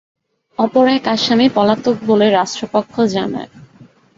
অপর এক আসামি পলাতক বলে রাষ্ট্রপক্ষ জানায়।